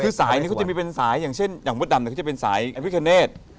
คือสายนี้เขาจะมีเป็นสายอย่างเช่นอย่างมดดำเนี่ยเขาจะเป็นสายพิคเนธ